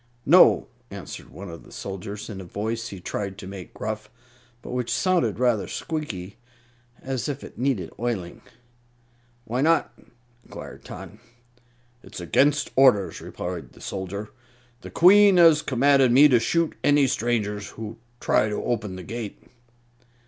"No!" answered one of the soldiers, in a voice he tried to make gruff, but which sounded rather squeaky, as if it needed oiling. "Why not?" inquired Tot. "It's against orders," replied the soldier. "The Queen has commanded me to shoot any stranger who tries to open the gate."